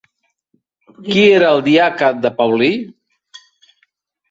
Qui era el diaca de Paulí?